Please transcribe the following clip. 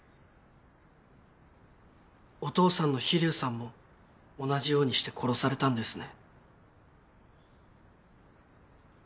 お父さんの秘龍さんも同じようにして殺されたんですね。